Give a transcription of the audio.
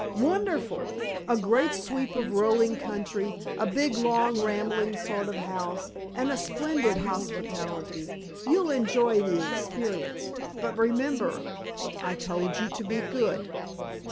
"Wonderful. A great sweep of rolling country, a big, long, rambling sort of house, and a splendid hospitality. You'll enjoy the experience, but remember, I told you to be good."